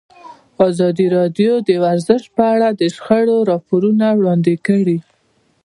ازادي راډیو د ورزش په اړه د شخړو راپورونه وړاندې کړي.